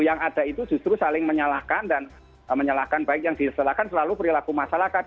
yang ada itu justru saling menyalahkan dan menyalahkan baik yang disalahkan selalu perilaku masyarakat